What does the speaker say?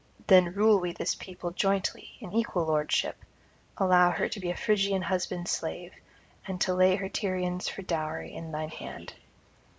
Then rule we this people jointly in equal lordship; allow her to be a Phrygian husband's slave, and to lay her Tyrians for dowry in thine hand.'